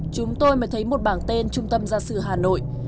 chúng tôi mới thấy một bảng tên trung tâm gia sư hà nội